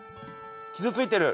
傷ついてる。